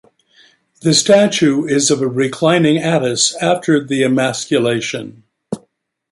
The statue is of a reclining Attis, after the emasculation.